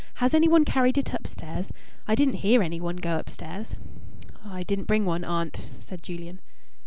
Has any one carried it upstairs? I didn't hear any one go upstairs." "I didn't bring one, aunt," said Julian.